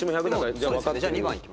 じゃあ２番いきますか？